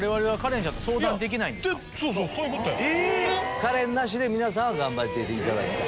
カレンなしで皆さんは頑張っていただきたい。